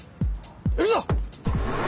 行くぞ！